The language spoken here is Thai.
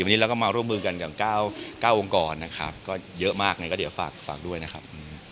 วันนี้เราก็มาร่วมมือกันกับ๙องค์กรนะครับก็เยอะมากไงก็เดี๋ยวฝากด้วยนะครับ